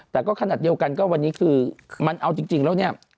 แต่ก็ขนาดเดียวกันก็วันนี้คือมันเอาจริงแล้วเนี่ย